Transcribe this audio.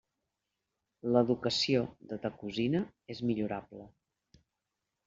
L'educació de ta cosina és millorable.